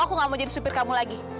aku gak mau jadi supir kamu lagi